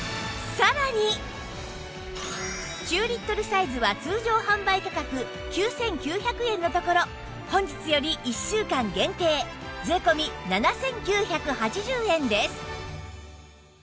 ９リットルサイズは通常販売価格９９００円のところ本日より１週間限定税込７９８０円です